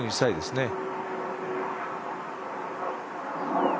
いいですね。